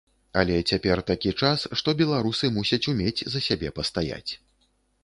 Але цяпер такі час, што беларусы мусяць умець за сябе пастаяць.